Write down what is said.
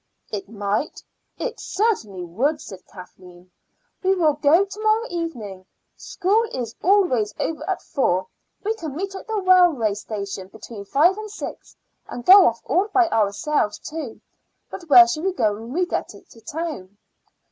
"It might? It certainly would," said Kathleen. "We will go to morrow evening. School is always over at four. We can meet at the railway station between five and six, and go off all by ourselves to But where shall we go when we get to town?"